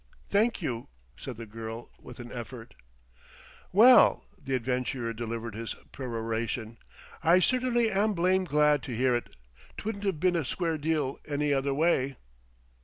"Thank you," said the girl with an effort. "Well," the adventurer delivered his peroration, "I certainly am blame' glad to hear it. 'Twouldn't 've been a square deal, any other way."